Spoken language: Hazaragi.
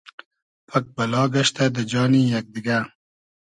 پئگ بئلا گئشتۂ دۂ جانی یئگ دیگۂ